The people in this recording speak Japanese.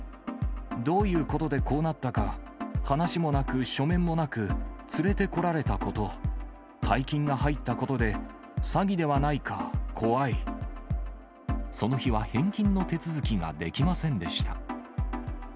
どういうことでこうなったか、話もなく、書面もなく、連れてこられたこと、大金が入ったことで、その日は返金の手続きができませんでした。